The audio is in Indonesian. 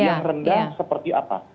yang rendah seperti apa